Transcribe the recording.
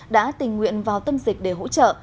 đã tình nguyện vào tâm dịch để hỗ trợ